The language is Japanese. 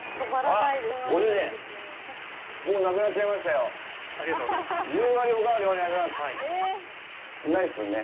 ないっすもんね。